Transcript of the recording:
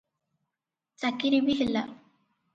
ଚାକିରି ବି ହେଲା ।